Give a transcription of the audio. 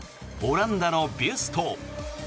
オランダのビュスト。